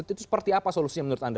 itu seperti apa solusinya menurut anda